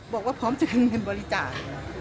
บอกว่าพร้อมจะเป็นเงินบริจาค